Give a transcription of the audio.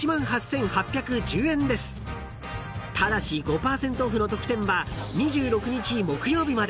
［ただし５％オフの特典は２６日木曜日まで］